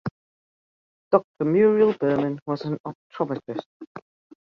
Doctor Muriel Berman was an optometrist.